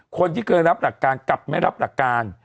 คนที่เคยรับหลักการกลับไม่รับหลักการ